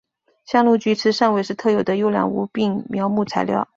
香炉桔是汕尾市特有的优良无病苗木材料。